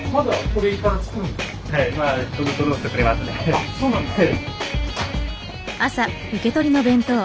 あっそうなんですか。